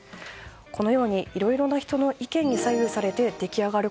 このようにいろいろな人の意見に左右されて出来上がる